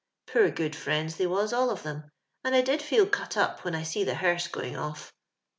i*oor good fjriends they was all of them, and I did feel cut up when I sec the hesrse going olT.